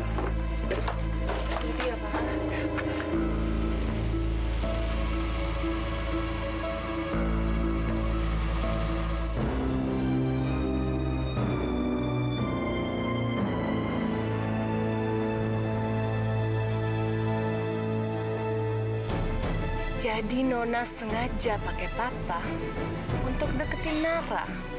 hai hai jadi nona sengaja pakai papa untuk deketin nara